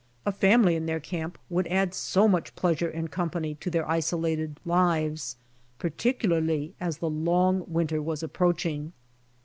A family in their camp would add so much pleasure and company to their isolated lives, particularly as the long winter was approaching.